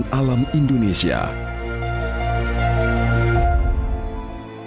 jangan lupa untuk berlangganan